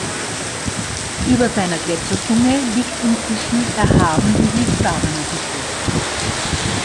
Über seiner Gletscherzunge liegt inzwischen erhaben die Wiesbadener Hütte.